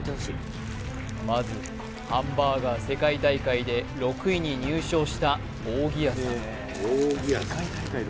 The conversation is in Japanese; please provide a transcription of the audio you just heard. まずハンバーガー世界大会で６位に入賞した扇谷さん